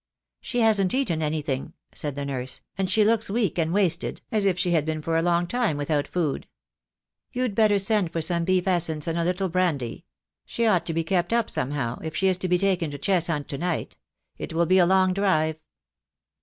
"She hasn't eaten anything," said the nurse, "and she looks weak and wasted, as if she had been for a long time without food. You'd better send for some beef essence and a little brandy. She ought to be kept up somehow, if she is to be taken to Cheshunt to night. It will be a long drive."